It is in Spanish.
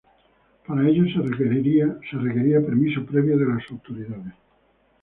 Para ello se requería permiso previo de las autoridades.